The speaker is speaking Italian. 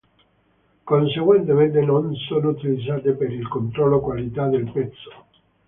Conseguentemente non sono utilizzate per il controllo qualità del pezzo.